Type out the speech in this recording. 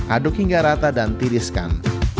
aduk hingga rata dan tiriskan